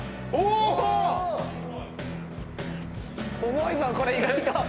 重いぞこれ意外と。